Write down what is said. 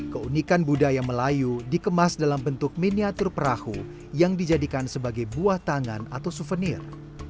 keunikan budaya melayu dikemas dalam bentuk miniatur perahu yang dijadikan sebagai buah tangan atau souvenir